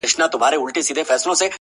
او بشپړ دی، په بشپړ ډول رد کېږي